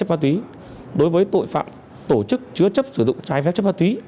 tội phạm ma túy đối với tội phạm tổ chức chứa chấp sử dụng trái phép chất ma túy